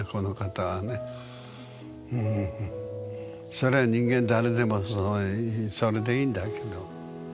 それ人間誰でもそうそれでいんだけど。